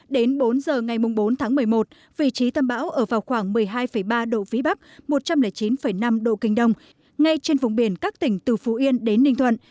đến bốn giờ ngày bốn tháng một mươi một vị trí tâm bão ở vào khoảng một mươi hai ba độ vĩ bắc một trăm linh chín năm độ kinh đông ngay trên vùng biển các tỉnh từ phú yên đến ninh thuận